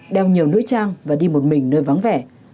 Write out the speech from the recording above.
đeo nhiều nữ trang và đi một mình nơi vắng vẻ